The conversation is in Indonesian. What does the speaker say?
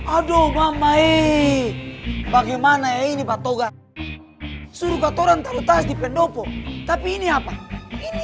aduh mama eh bagaimana ya ini pak toga suruh katoran taruh tas di pendopo tapi ini apa ini